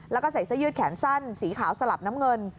แล้วก็ใส่เสื้อยืดแขนสั้นสีขาวสลับน้ำเงิน